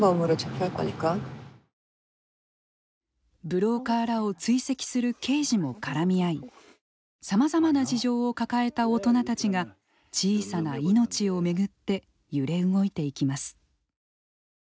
ブローカーらを追跡する刑事も絡み合い、さまざまな事情を抱えた大人たちが小さな命を巡って揺れ動いていきます。